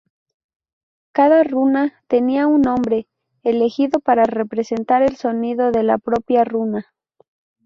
Cada runa tenía un nombre, elegido para representar el sonido de la propia runa.